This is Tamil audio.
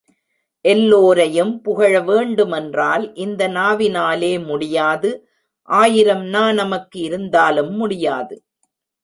எல்லோரையும் புகழ வேண்டுமென்றால் இந்த நாவினாலே முடியாது ஆயிரம் நா நமக்கு இருந்தாலும் முடியாது.